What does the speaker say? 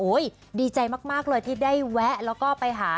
ดีใจมากเลยที่ได้แวะแล้วก็ไปหา